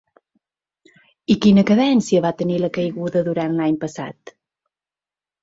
I quina cadència va tenir la caiguda durant l’any passat?